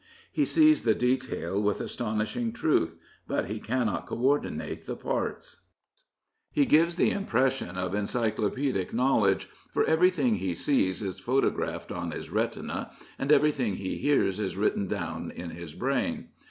He sees the detail with astonishing truth, but he cannot co ordinate the parts. He gives the impression of encyclopaedic knowledge, for everything he sees is photographed on his retina and everything he hears is written down in his brain.